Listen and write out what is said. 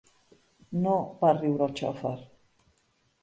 No —va riure el xofer—.